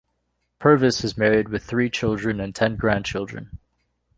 Purvis is married with three children and ten grandchildren.